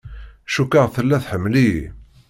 Cukkeɣ tella tḥemmel-iyi.